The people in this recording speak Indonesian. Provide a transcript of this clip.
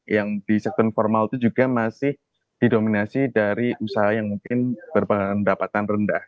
yang di sektor formal itu juga masih didominasi dari usaha yang mungkin berpendapatan rendah